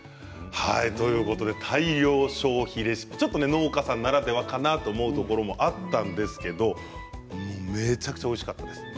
大量消費レシピちょっと農家さんならではかなと思うところもあったんですけれどめちゃくちゃおいしかったです。